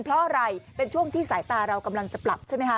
เพราะอะไรเป็นช่วงที่สายตาเรากำลังจะปรับใช่ไหมคะ